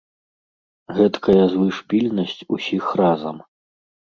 Гэткая звышпільнасць усіх разам!